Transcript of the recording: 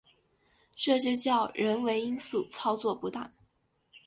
这就叫人为因素操作不当